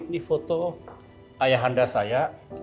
ini foto ayah anda saya